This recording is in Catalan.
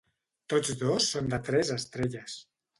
Tots dos són de tres estrelles.